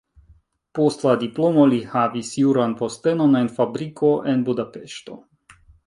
Post la diplomo li havis juran postenon en fabriko en Budapeŝto.